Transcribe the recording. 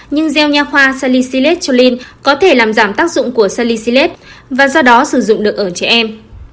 nhưng gel nha khoa salicylate choline có thể làm giảm tác dụng của salicylate và do đó sử dụng được ở trẻ em